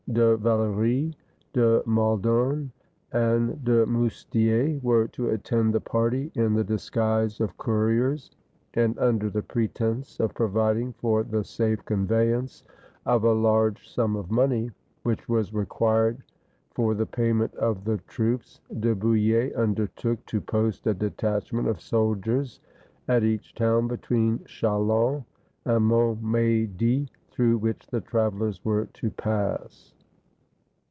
De Valory, De Maiden, and De Moustier, were to attend the party, in the disguise of couriers; and, under the pretense of pro viding for the safe conveyance of a large sum of money which was required for the payment of the troops, De Bouille undertook to post a detachment of soldiers at each town between Chalons and Montmedy, through which the travelers were to pass.